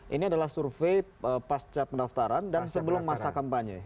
ini adalah survei pasca pendaftaran dan sebelum masa kampanye